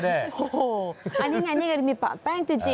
อันนี้ไงมีปะแป้งจริงด้วย